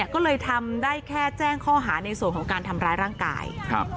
ก็เลยทำได้แค่แจ้งข้อหาในส่วนของการทำร้ายร่างกาย